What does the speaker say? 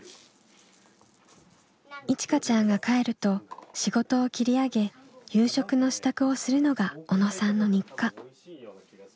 いちかちゃんが帰ると仕事を切り上げ夕食の支度をするのが小野さんの日課。